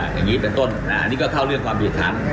อย่างนี้เป็นต้นอันนี้ก็เข้าเรื่องความผิดฐาน